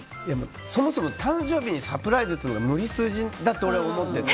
そもそも誕生日にサプライズというのが無理筋だって俺は思っていて。